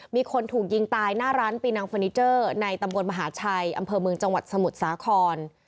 มีคนถูกยิงตายหน้าร้านปีนังเฟอร์นิเจอร์ในตำบลมหาชัยอำเภอเมืองจังหวัดสมุทรสาคร